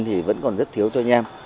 thì vẫn còn rất thiếu cho anh em